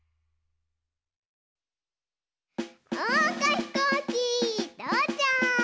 おうかひこうきとうちゃく！